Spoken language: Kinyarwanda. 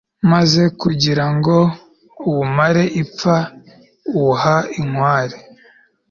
maze kugira ngo uwumare ipfa, uwuha inkware